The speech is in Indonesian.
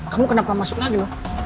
kamu kenapa masuk lagi